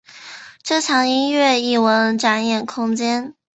这墙音乐艺文展演空间。